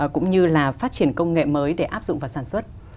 cũng như là phát triển công nghệ mới để áp dụng và sản xuất